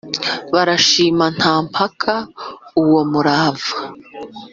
Barashima nta mpaka uwo murava